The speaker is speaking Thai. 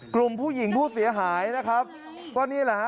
กลุ่มผู้หญิงผู้เสียหายว่านี่เหรอหะ